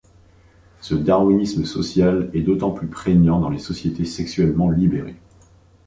Ce darwinisme social est d’autant plus prégnant dans les sociétés sexuellement libérées.